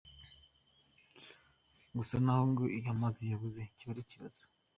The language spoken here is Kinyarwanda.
Gusa naho ngo iyo amazi yabuze, kiba ari ikibazo.